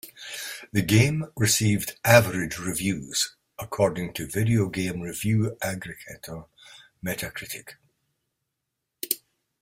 The game received "average" reviews, according to video game review aggregator Metacritic.